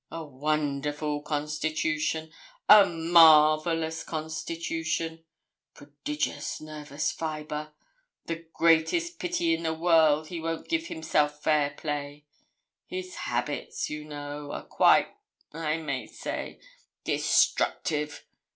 A wonderful constitution a marvellous constitution prodigious nervous fibre; the greatest pity in the world he won't give himself fair play. His habits, you know, are quite, I may say, destructive.